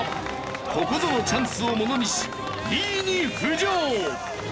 ここぞのチャンスをものにし２位に浮上！